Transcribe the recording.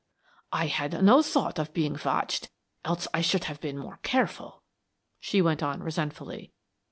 "I had no thought of being watched, else I should have been more careful," she went on, resentfully.